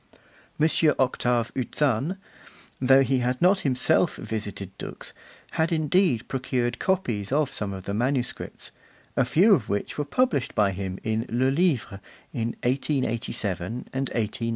M. Octave Uzanne, though he had not himself visited Dux, had indeed procured copies of some of the manuscripts, a few of which were published by him in Le Livre, in 1887 and 1889.